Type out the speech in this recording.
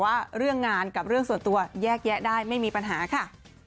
ว่าเรื่องงานกับเรื่องส่วนตัวแยกแยะได้ไม่มีปัญหาค่ะ